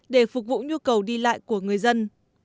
để phục vụ nhu cầu đi lại của người dân